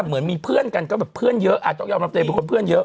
เหมือนมีเพื่อนกันก็แบบเพื่อนเยอะต้องยอมรับตัวเองเป็นคนเพื่อนเยอะ